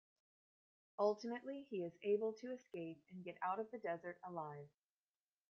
Ultimately, he is able to escape and get out of the desert alive.